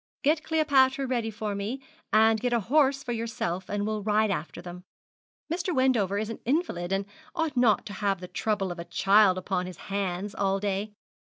'Get Cleopatra ready for me, and get a horse for yourself, and we'll ride after them. Mr. Wendover is an invalid, and ought not to have the trouble of a child upon his hands all day.